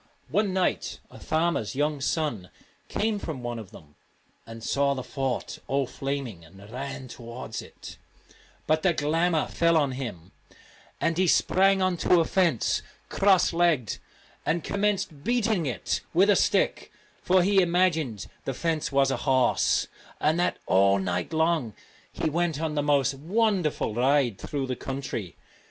One night a farmer's young son came from one of them and saw the fort all flaming, and ran towards it, but the ' glamour ' fell on him, and he sprang on to a fence, cross legged, and commenced beating it with a stick, for he imagined the fence was a horse, and that all night long he went on the most wonderful ride through the country.